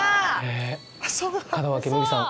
門脇麦さん